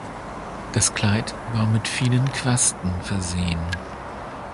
Das Kleid war mit vielen Quasten versehen.